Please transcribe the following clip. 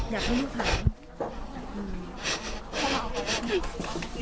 อยากให้ลูกถาม